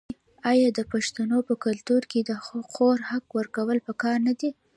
آیا د پښتنو په کلتور کې د خور حق ورکول پکار نه دي؟